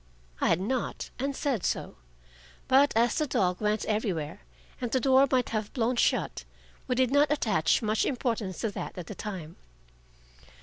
I had not, and said so; but as the dog went everywhere, and the door might have blown shut, we did not attach much importance to that at the time.